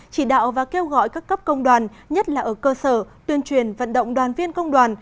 chỉ đạo và kêu gọi các cấp công đoàn nhất là ở cơ sở tuyên truyền vận động đoàn viên công đoàn